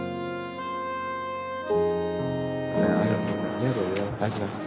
ありがとうございます。